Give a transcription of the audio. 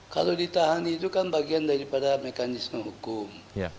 kalau ditahan itu kan bagian daripada mekanisme hukum